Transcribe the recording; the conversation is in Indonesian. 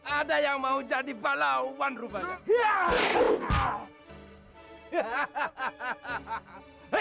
ada yang mau jadi balawan rubaga